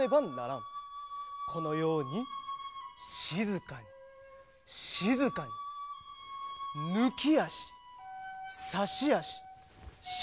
このようにしずかにしずかにぬきあしさしあししのびあし。